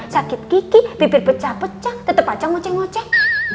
sakit kiki bibir pecah pecah tetep aja mojeng mojeng